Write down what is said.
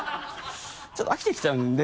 ちょっと飽きてきちゃうんで。